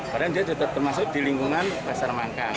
padahal dia juga tertutup termasuk di lingkungan pasar mangkang